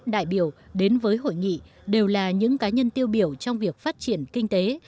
tám mươi một đại biểu đến với hội nghị đều là những cá nhân tiêu biểu trong việc phát triển kinh tế